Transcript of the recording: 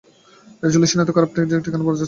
Resolution এত খারাপ যে ঠিকানা পড়া যাচ্ছে না।